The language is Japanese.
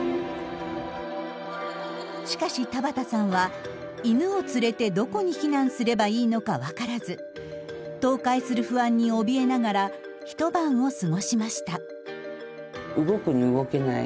しかし田畑さんは犬を連れてどこに避難すればいいのか分からず倒壊する不安におびえながら一晩を過ごしました。